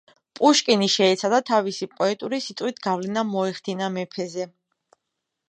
პუშკინი შეეცადა თავისი პოეტური სიტყვით გავლენა მოეხდინა მეფეზე.